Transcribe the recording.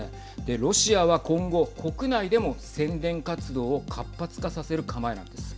ロシアは今後国内でも宣伝活動を活発化させる構えなんです。